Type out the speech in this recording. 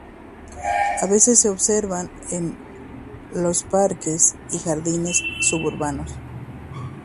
A veces se observan en loas parques y los jardines suburbanos.